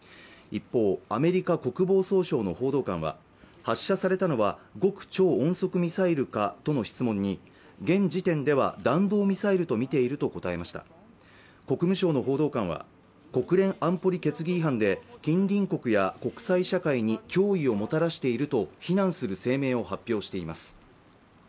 一方アメリカ国防総省の報道官は発射されたのは極超音速ミサイルかとの質問に現時点では弾道ミサイルと見ていると答えました国務省の報道官は国連安保理決議違反で近隣国や国際社会に脅威をもたらしていると非難する声明を発表しています